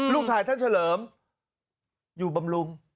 ลูกชายท่านเฉลิมอยู่บำรุง